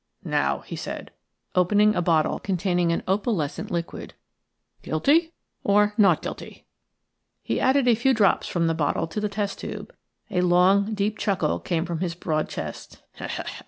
"Now," he said, opening a bottle containing an opalescent liquid; "guilty or not guilty?" He added a few drops from the bottle to the test tube. A long, deep chuckle came from his broad chest.